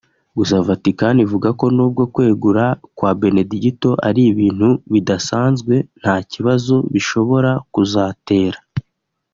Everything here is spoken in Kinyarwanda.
Gusa Vatican ivuga ko nubwo kwegura kwa Benedigito ari ibintu bidasanzwe nta kibazo bishobora kuzatera